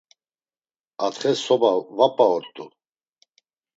Atxe soba va p̌a ort̆u.